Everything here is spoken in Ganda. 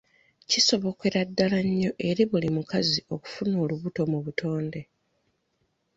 Kisobokera ddala nnyo eri buli mukazi okufuna olubuto mu butonde.